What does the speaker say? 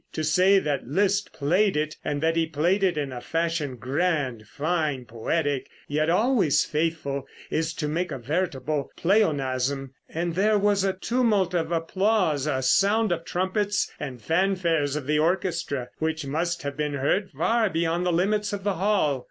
To say that Liszt played it, and that he played it in a fashion grand, fine, poetic, yet always faithful, is to make a veritable pleonasm, and there was a tumult of applause, a sound of trumpets, and fanfares of the orchestra, which must have been heard far beyond the limits of the hall.